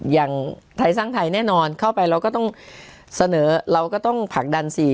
อย่างไทยสร้างไทยแน่นอนเข้าไปเราก็ต้องเสนอเราก็ต้องผลักดันสิ